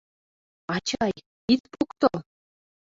Ачай, ит покто!